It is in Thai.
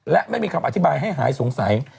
และไม่มีคำอธิบายให้หายสงสัย